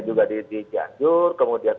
juga di cianjur kemudian